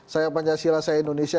saya pancasila saya indonesia